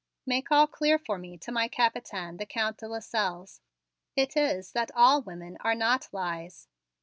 Make all clear for me to my Capitaine, the Count de Lasselles. It is that all women are not lies.